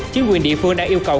chính quyền địa phương đã yêu cầu